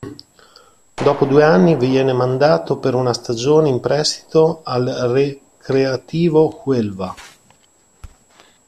Dopo due anni viene mandato per una stagione in prestito al Recreativo Huelva.